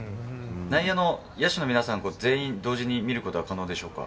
内野の野手の皆さん、全員同時に見ることは可能でしょうか。